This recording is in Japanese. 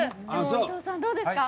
伊藤さん、どうですか？